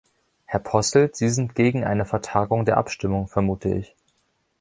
Herr Posselt, Sie sind gegen eine Vertagung der Abstimmung, vermute ich.